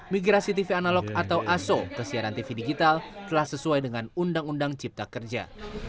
migrasi tv analog atau aso ke siaran tv digital telah sesuai dengan undang undang cipta kerja